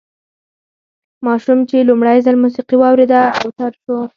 ماشوم چې لومړی ځل موسیقي واورېده اوتر شو